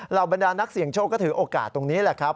บรรดานักเสี่ยงโชคก็ถือโอกาสตรงนี้แหละครับ